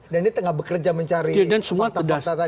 dan ini tengah bekerja mencari fakta fakta tadi